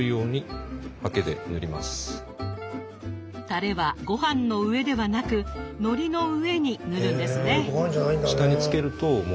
タレはごはんの上ではなくのりの上に塗るんですね。